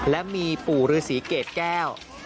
และมีปู่ฤษีเกรดแก้ว